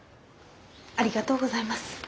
ありがとうございます。